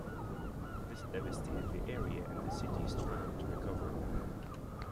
This devastated the area and the city struggled to recover.